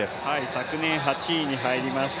昨年８位に入りました。